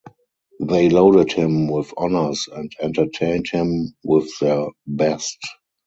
They loaded him with honors and entertained him with their best.